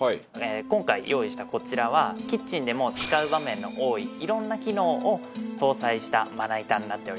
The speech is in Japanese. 今回用意したこちらはキッチンでも使う場面の多いいろんな機能を搭載したまな板になっております。